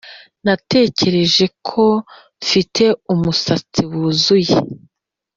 natekereje ko mfite umusatsi wuzuye